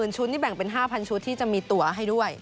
ชุดนี่แบ่งเป็น๕๐๐ชุดที่จะมีตัวให้ด้วย